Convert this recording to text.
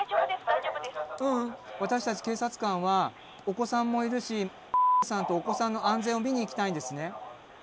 ううん私たち警察官はお子さんもいるし×××さんとお子さんの安全を見に行きたいんですね。